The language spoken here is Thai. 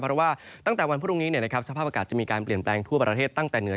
เพราะว่าตั้งแต่วันพรุ่งนี้สภาพอากาศจะมีการเปลี่ยนแปลงทั่วประเทศตั้งแต่เหนือ